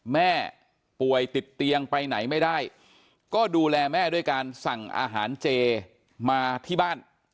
แม่ป่วยติดเตียงไปไหนไม่ได้ก็ดูแลแม่ด้วยการสั่งอาหารเจมาที่บ้าน